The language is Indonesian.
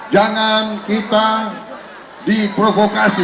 jangan kita diprovokasi